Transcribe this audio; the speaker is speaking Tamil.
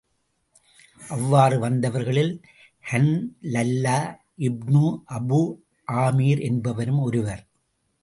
அவ்வாறு வந்தவர்களில் ஹன்லல்லா இப்னு அபூ ஆமிர் என்பவரும் ஒருவர்.